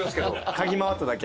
嗅ぎ回っただけ。